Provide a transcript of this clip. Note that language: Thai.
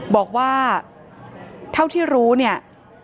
บอกว่าเท่าที่รู้เนี่ย